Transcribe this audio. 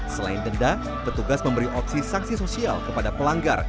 selain denda petugas memberi opsi saksi sosial kepada pelanggar